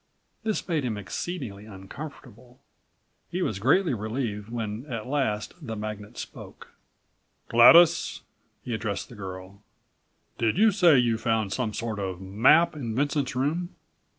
This made him exceedingly uncomfortable. He was greatly relieved when at last the magnate spoke. "Gladys," he addressed the girl, "did you say you found some sort of map in Vincent's room?"